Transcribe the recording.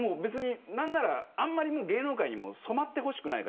何なら芸能界にも染まってほしくない。